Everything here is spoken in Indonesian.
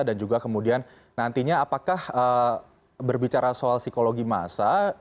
dan juga kemudian nantinya apakah berbicara soal psikologi massa